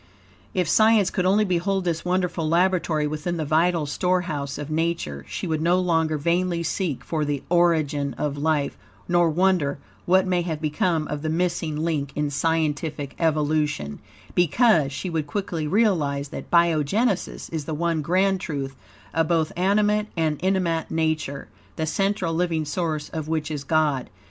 If science could only behold this wonderful laboratory within the vital storehouse of Nature, she would no longer vainly seek for THE ORIGIN OF LIFE, nor wonder, what may have become of the missing link in scientific evolution, because, she would quickly realize that, biogenesis is the one grand truth of both animate and inanimate Nature, the central, living source of which is God.